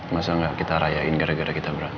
masa gak kita rayain gara gara kita berantem